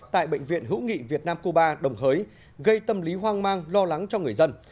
tại bệnh viện hữu nghị việt nam cuba đồng hới gây tâm lý hoang mang lo lắng cho người dân